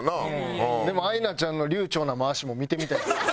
でもアイナちゃんの流暢な回しも見てみたい。